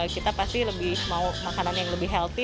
kita pasti lebih mau makanan yang lebih healthy